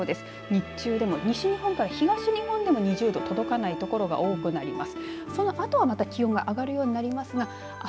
日中でも西日本から東日本でも２０度届かない所が多くなりそうです。